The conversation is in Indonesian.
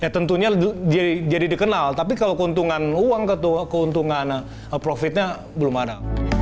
tentunya jadi dikenal tapi kalau keuntungan uang keuntungan profitnya belum ada